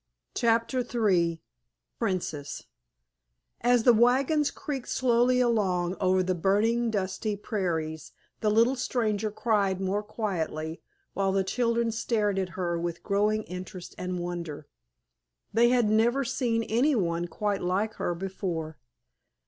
*CHAPTER III* *PRINCESS* As the wagons creaked slowly along over the burning, dusty prairies the little stranger cried more quietly, while the children stared at her with growing interest and wonder. They had never seen any one quite like her before.